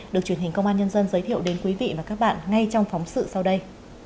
được truyền hình công an nhân dân giới thiệu đến quý vị và các bạn ngay trong phóng sự sau đây